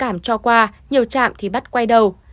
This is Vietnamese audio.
không cảm cho qua nhiều trạm thì bắt quay đầu